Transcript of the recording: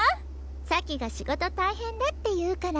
咲が仕事大変だっていうから。